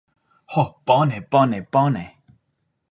Ho, bone, bone, bone.